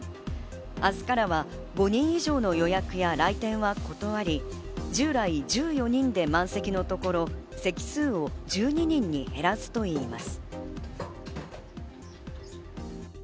明日からは５人以上の予約や来店は断り、従来１４人で満席のところ、席数を１２人に減らすといいます。